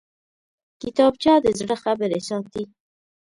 کتابچه د زړه خبرې ساتي